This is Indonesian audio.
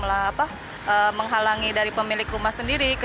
menghalangi dari pemilik rumah sendiri